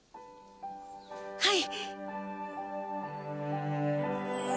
はい！